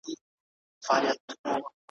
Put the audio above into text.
که څه هم چي په سینو کي به لرو غښتلي زړونه .